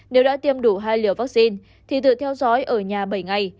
nếu đã tiêm đủ hai liều vaccine thì tự theo dõi ở nhà bảy ngày